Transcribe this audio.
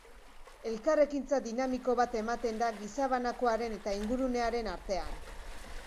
Elkarrekintza dinamiko bat ematen da gizabanakoaren eta ingurunearen artean.